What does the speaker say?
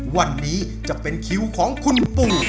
วันนี้จะเป็นคิวของคุณปุ่น